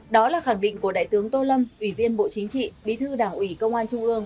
đó là khẳng định của đại tướng tô lâm ủy viên bộ chính trị bí thư đảng ủy công an trung ương